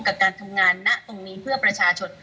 กับการทำงานณตรงนี้เพื่อประชาชน